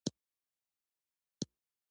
پسه د افغانستان د جغرافیایي موقیعت پایله ده.